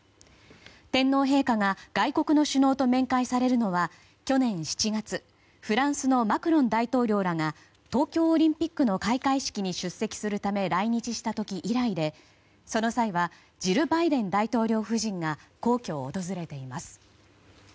天皇陛下が外国の首脳と面会されるのは去年７月、フランスのマクロン大統領らが東京オリンピックの開会式に出席するために来日した時以来で、その際はジル・バイデン大統領夫人が皇居を訪れています。